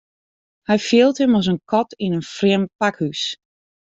Hy fielt him as in kat yn in frjemd pakhús.